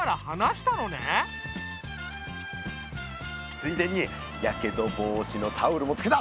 ついでにやけど防止のタオルもつけた！